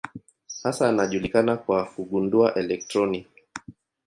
Hasa anajulikana kwa kugundua elektroni.